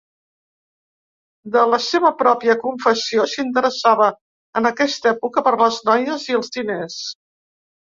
De la seva pròpia confessió, s'interessava en aquesta època per les noies i els diners.